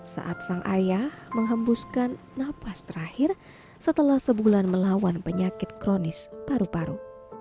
saat sang ayah menghembuskan napas terakhir setelah sebulan melawan penyakit kronis paru paru